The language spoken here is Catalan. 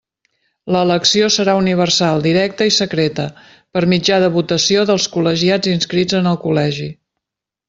L'elecció serà universal, directa i secreta, per mitjà de votació dels col·legiats inscrits en el Col·legi.